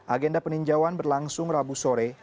agenda peninjauan berlangsung rabu sore